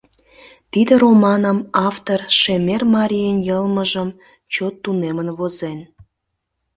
Тиде романым автор шемер марийын йылмыжым чот тунемын возен.